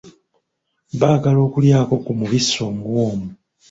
Baagala okulyako ku mubisi omuwoomu.